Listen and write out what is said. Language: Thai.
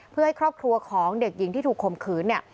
เพื่อให้ครอบครัวของเด็กหญิงที่ถูกข่มขืนเนี่ย